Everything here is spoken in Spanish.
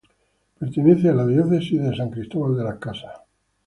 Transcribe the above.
Pertenece a la Diócesis de San Cristóbal.